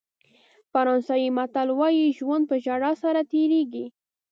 فرانسوي متل وایي ژوند په ژړا سره تېرېږي.